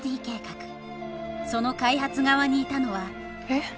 その開発側にいたのはえ？